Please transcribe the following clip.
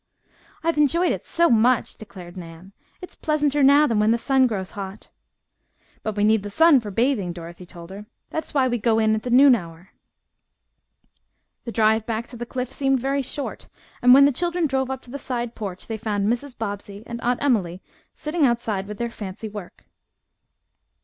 "I have enjoyed it so much!" declared Nan. "It is pleasanter now than when the sun grows hot." "But we need the sun for bathing," Dorothy told her. "That is why we 'go in' at the noon hour." The drive back to the Cliff seemed very short, and when the children drove up to the side porch they found Mrs. Bobbsey and Aunt Emily sitting outside with their fancy work.